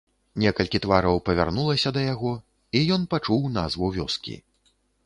Некалькі твараў павярнулася да яго, і ён пачуў назву вёскі.